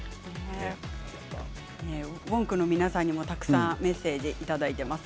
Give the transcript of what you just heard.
ＷＯＮＫの皆さんにもたくさんメッセージをいただいています。